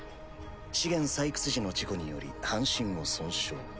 資源採掘時の事故により半身を損傷。